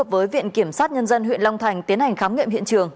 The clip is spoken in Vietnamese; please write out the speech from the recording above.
với viện kiểm sát nhân dân huyện long thành tiến hành khám nghiệm hiện trường